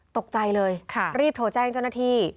ตกใจเลยรีบโทรแจ้งเจ้าหน้าที่